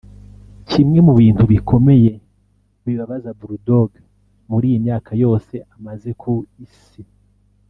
Kimwe mu bintu bikomeye bibabaza Bull Dogg muri iyi myaka yose amaze ku isi